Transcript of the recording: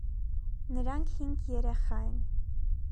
Նրանք հինգ երեխա են։